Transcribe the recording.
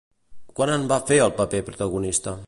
Quan en va fer el paper protagonista?